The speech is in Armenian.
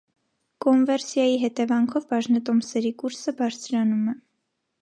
Կոնվերսիայի հետեանքով բաժնետոմսերի կուրսը բարձրանում է։